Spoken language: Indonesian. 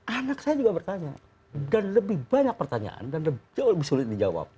anak saya juga bertanya dan lebih banyak pertanyaan dan jauh lebih sulit dijawab